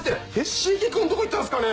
椎木君どこ行ったんすかね？